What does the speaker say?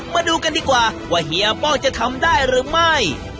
มาดูกันดีกว่าว่าเฮียป้องจะทำได้หรือไม่